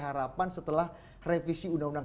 harapan setelah revisi undang undang